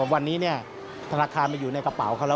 วันนี้ธนาคารมาอยู่ในกระเป๋าเขาแล้ว